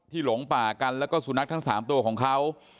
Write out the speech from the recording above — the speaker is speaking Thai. หลงป่ากันแล้วก็สุนัขทั้ง๓ตัวของเขา